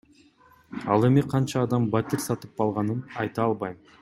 Ал эми канча адам батир сатып алганын айта албайм.